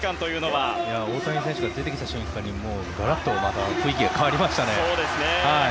大谷選手が出てきた瞬間にガラッと雰囲気が変わりましたね。